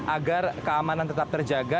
agar keamanan tetap terjaga